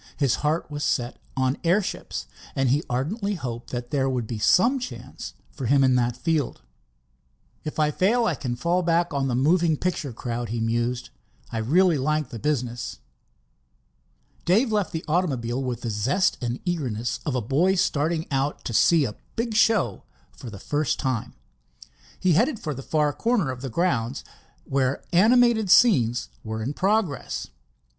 His heart was set on airships, and he ardently hoped there would be some chance for him in that field. "If I fail, I can fall back on the moving picture crowd," he mused. "I really like the business." Dave left the automobile with the zest and eagerness of a boy starting out to see a big show for the first time. He headed for the far corner of the grounds where animated scenes were in progress.